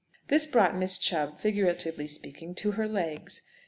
This brought Miss Chubb, figuratively speaking, to her legs.